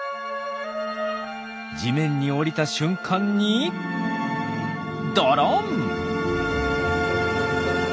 地面に降りた瞬間にドロン！